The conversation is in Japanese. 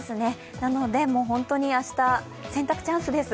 なので、本当に明日、洗濯チャンスです。